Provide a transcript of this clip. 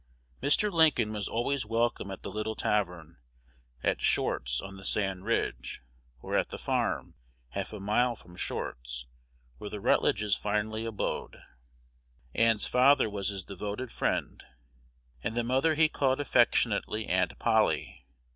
Mr. Lincoln was always welcome at the little tavern, at Short's on the Sand Ridge, or at the farm, half a mile from Short's, where the Rutledges finally abode. Ann's father was his devoted friend, and the mother he called affectionately "Aunt Polly."